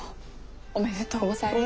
おめでとうございます。